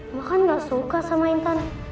emang kan gak suka sama intan